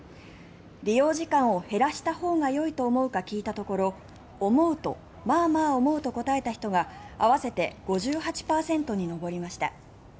利用時間を減らしたほうがよいと思うか聞いたところ「思う」と「まあまあ思う」と答えた人が合わせて５８％に上りました。